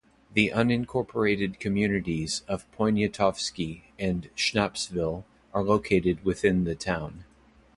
The unincorporated communities of Poniatowski and Schnappsville are located within the town.